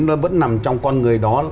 nó vẫn nằm trong con người đó